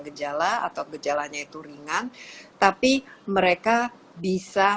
gejala atau gejalanya itu ringan tapi mereka bisa